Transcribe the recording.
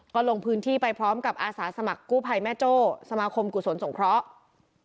ก็ลงพื้นที่ไปพร้อมกับอาสาสมัครกู้ภัยแม่โจ้สมาคมกุศลสงเคราะห์